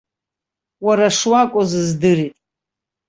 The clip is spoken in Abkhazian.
Уара шуакәыз здырит.